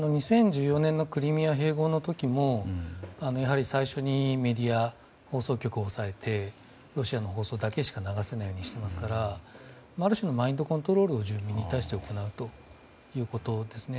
２０１４年のクリミア併合の時もやはり最初にメディア放送局を押さえてロシアの放送だけしか流さないようにしていますからある種のマインドコントロールを住民に対して行うということですね。